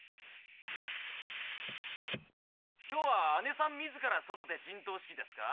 今日はあねさん自ら外で陣頭指揮ですか？